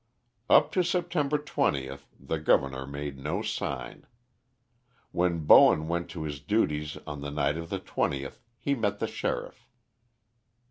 Up to September 20 the governor made no sign. When Bowen went to his duties on the night of the 20th he met the sheriff.